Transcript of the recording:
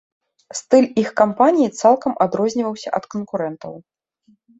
Стыль іх кампаніі цалкам адрозніваўся ад канкурэнтаў.